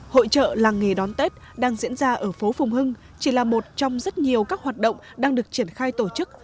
hội trợ làng nghề đón tết đang diễn ra ở phố phùng hưng chỉ là một trong rất nhiều các hoạt động đang được triển khai tổ chức